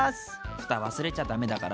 ふた忘れちゃ駄目だからね。